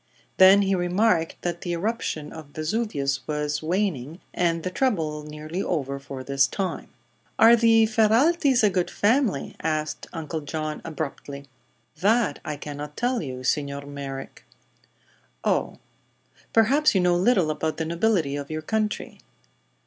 Then he remarked that the eruption of Vesuvius was waning and the trouble nearly over for this time. "Are the Ferraltis a good family?" asked Uncle John, abruptly. "That I cannot tell you, Signor Merrick." "Oh. Perhaps you know little about the nobility of your country."